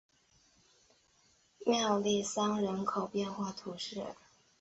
穆利桑人口变化图示